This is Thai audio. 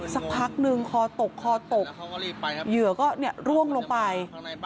สักพักนึงคอตกคอตกเหยื่อก็ร่วงลงไป